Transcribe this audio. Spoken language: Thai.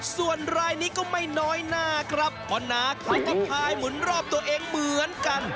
ส่วนรายนี้ก็ไม่น้อยหน้าครับเพราะน้าเขาก็พายหมุนรอบตัวเองเหมือนกัน